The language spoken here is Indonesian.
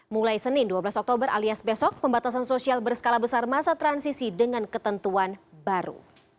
mulai senin dua belas oktober alias besok pembatasan sosial berskala besar masa transisi dengan ketentuan baru